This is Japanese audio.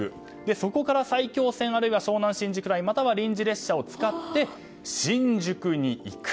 そこから埼京線あるいは湘南新宿ラインなどを使って新宿に行く。